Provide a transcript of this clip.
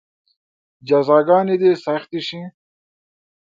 جزاګانې دې سختې شي.